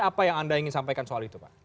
apa yang anda ingin sampaikan soal itu pak